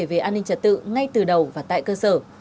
về an ninh trật tự ngay từ đầu và tại cơ sở